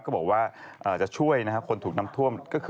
ก็บอกว่าจะช่วยคนถูกน้ำท่วม